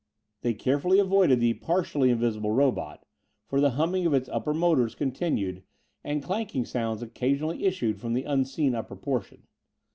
They carefully avoided the partially invisible robot, for the humming of its upper motors continued and clanking sounds occasionally issued from the unseen upper portion.